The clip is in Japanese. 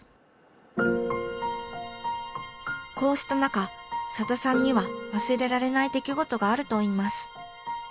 こうした中さださんには忘れられない出来事があるといいます。